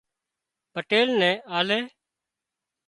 پٽيل نين آلي